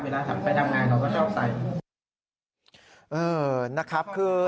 เวลาสาปไปทำงานเราก็ชอบใส่